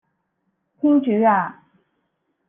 天主呀